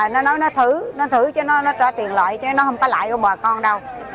nó nói nó thử nó thử chứ nó trả tiền lại chứ nó không có lại của bà con đâu